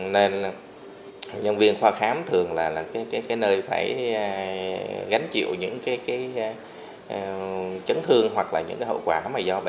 nên nhân viên khoa khám thường là nơi phải gánh chịu những chấn thương hoặc hậu quả